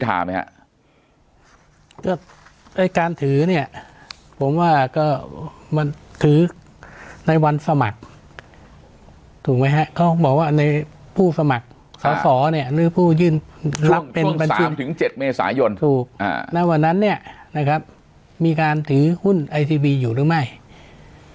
สวัสดีครับสวัสดีครับสวัสดีครับสวัสดีครับสวัสดีครับสวัสดีครับสวัสดีครับสวัสดีครับสวัสดีครับส